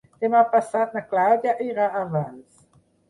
Demà passat na Clàudia irà a Valls.